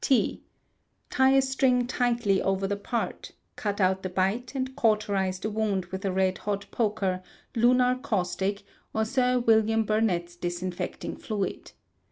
T. Tie a string tightly over the part, cut out the bite, and cauterize the wound with a red hot poker, lunar caustic, or Sir Wm. Burnett's Disinfecting Fluid.